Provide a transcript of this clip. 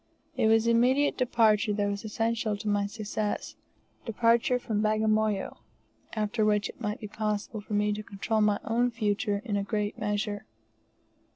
It was immediate departure that was essential to my success departure from Bagamoyo after which it might be possible for me to control my own future in a great measure.